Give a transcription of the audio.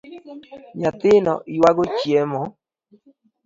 Nyathino yuago chiemo